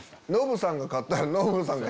ノブさんが勝ったら。